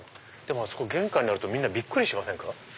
あそこ玄関にあるとみんなびっくりしませんか？